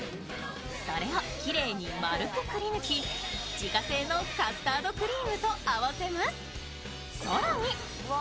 それをきれいに丸くくり抜き、自家製のカスタードクリームと合わせます。